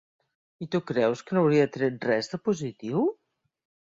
I tu creus que n'hauria tret res de positiu?